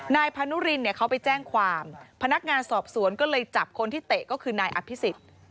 นายพานุรินเนี่ยเขาไปแจ้งความพนักงานสอบสวนก็เลยจับคนที่เตะก็คือนายอภิษฎ